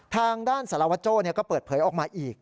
ทางด้านสารวัตโจ้ก็เปิดเผยออกมาอีก